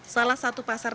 salah satu pasar